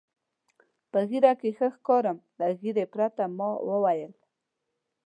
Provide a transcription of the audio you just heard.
په ږیره کې ښه ښکارم که له ږیرې پرته؟ ما وویل.